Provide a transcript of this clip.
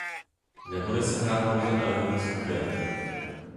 Nebude se hrát pouze elitní skupina.